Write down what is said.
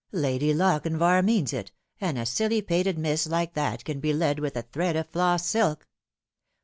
Lady Lochinvar means it, and a silly pated miss like that can be led with a thread of floss silk.